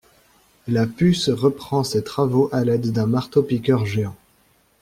La puce reprend ses travaux à l'aide d'un marteau-piqueur géant.